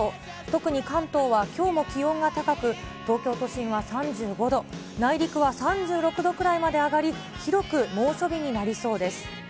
特に関東はきょうも気温が高く、東京都心は３５度、内陸は３６度くらいまで上がり、広く猛暑日になりそうです。